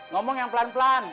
ngomong yang pelan pelan